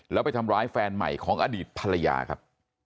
แล้วไปทำร้ายแฟนใหม่ของอดีตภรรยาครับ